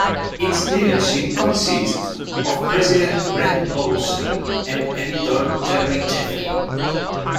Its leadership consists of president Brent Bozell and editor Terry Jeffrey.